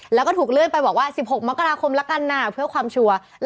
แล้วก็ถูกเลื่อนไปบอกว่า๑๖มกราคมแล้วกันนะเพื่อความชัวร์